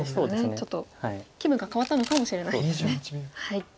ちょっと気分が変わったのかもしれないですね。